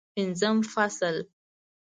پنځم فصل